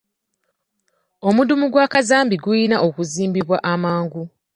Omudumu gwa kazambi gulina okuzimbibwa amangu.